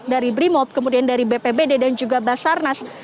dari brimob kemudian dari bpbd dan juga basarnas